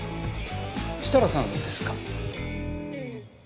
設楽さんですか？